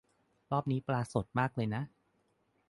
รอบนี้ปลาสดมากเลยนะ